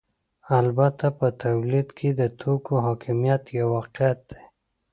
البته په تولید کې د توکو حاکمیت یو واقعیت دی